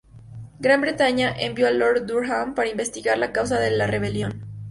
Gran Bretaña envió a Lord Durham para investigar la causa de la rebelión.